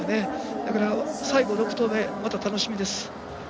だから、最後の６投目楽しみです。